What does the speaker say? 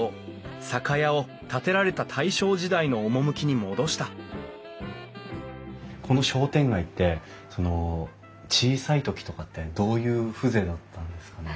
酒屋を建てられた大正時代の趣に戻したこの商店街って小さい時とかってどういう風情だったんですか？